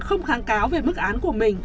không kháng cáo về mức án của mình